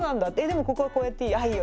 でもここはこうやっていい？」